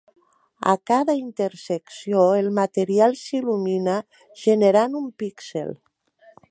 A cada intersecció, el material s'il·lumina, generant un píxel.